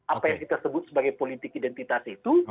apa yang kita sebut sebagai politik identitas itu